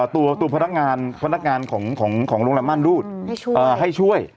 ตัวพนักงานของโรงแรมม่านรูดให้ช่วย